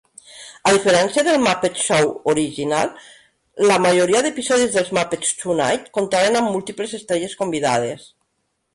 A diferència del "Muppet Show" original, la majoria d'episodis dels "Muppets Tonight" comptaven amb múltiples estrelles convidades.